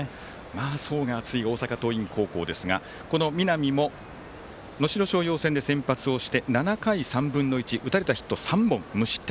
層が厚い大阪桐蔭高校ですがこの南も能代松陽戦で先発をして７回３分の１打たれたヒット３本、無失点。